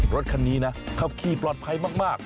รถคันนี้นะขับขี่ปลอดภัยมาก